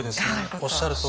おっしゃるとおり。